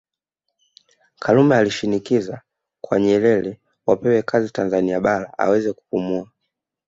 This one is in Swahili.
Karume alishinikiza kwa Nyerere wapewe kazi Tanzania Bara aweze kupumua